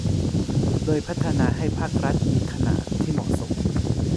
โดยพัฒนาให้ภาครัฐมีขนาดที่เหมาะสม